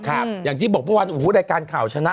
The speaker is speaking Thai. ค่ะอย่างที่บอกเมื่อวานโอ้๑๙๑๙เราการข่าวชนะ